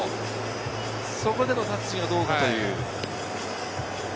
そこでのタッチがどうかという。